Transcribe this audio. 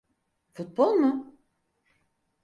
Futbol mu?